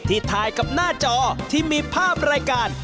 ถ่ายกับหน้าจอที่มีภาพรายการ